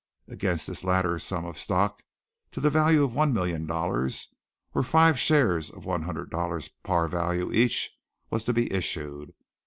Against this latter sum stock to the value of one million dollars, or five shares of one hundred dollars par value each, was to be issued.